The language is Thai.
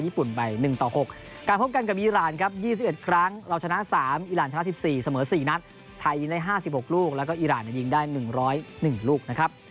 อีหร่านช้า๑๔เสมอ๔นัดไทยได้๕๖ลูกแล้วก็อีหร่านได้ยิงได้๑๐๑ลูกนะครับ